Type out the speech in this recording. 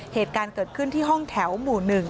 เหตุการณ์เกิดขึ้นที่ห้องแถวหมู่๑